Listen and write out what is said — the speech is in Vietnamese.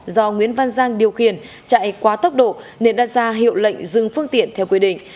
do nguyễn văn giang điều khiển chạy quá tốc độ nên đã ra hiệu lệnh dừng phương tiện theo quy định